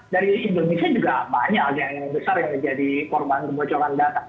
dari indonesia juga banyak yang besar yang menjadi korban kebocoran data